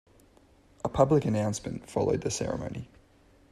A public announcement followed the ceremony.